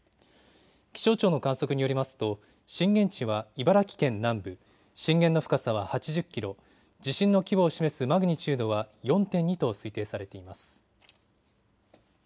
気象庁の観測によりますと震源地は茨城県南部、震源の深さは８０キロ、地震の規模を示すマグニチュードは４．２と推定されています。